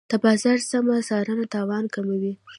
د بازار سمه څارنه تاوان کموي.